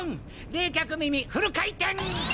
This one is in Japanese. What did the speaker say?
冷却耳フル回転！